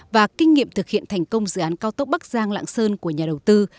và kinh nghiệm thực hiện thành công dự án cao tốc bắc giang lạng sơn của nhà đầu tư